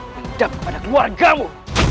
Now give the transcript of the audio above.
dendam kepada keluargamu